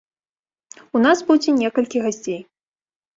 У нас будзе некалькі гасцей.